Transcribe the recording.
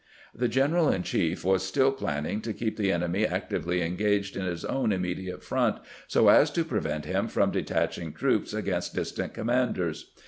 The general in chief was still planning to keep the enemy actively engaged in his own immediate front, so as to prevent him from detaching troops against distant commanders.